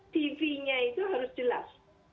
tv nya itu harus jelas